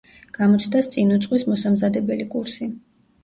გამოცდას წინ უძღვის მოსამზადებელი კურსი.